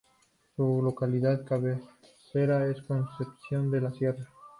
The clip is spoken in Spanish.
Su localidad cabecera es Concepción de la Sierra.